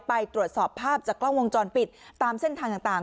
ไปตรวจสอบภาพจากกล้องวงจรปิดตามเส้นทางต่าง